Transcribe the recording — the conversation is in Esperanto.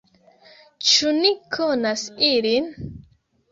Ĉu ni konas ilin?